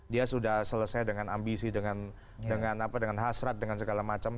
dia sudah selesai dengan ambisi dengan hasrat dengan segala macam